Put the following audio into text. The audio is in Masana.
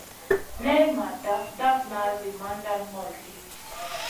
Nay ma daf dafna zi mandan ŋol lo ɗi.